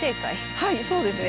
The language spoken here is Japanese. はいそうですね。